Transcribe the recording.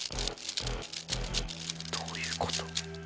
・どういうこと？